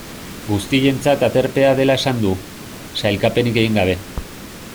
Guztientzat aterpea dela esan du, sailkapenik egin gabe.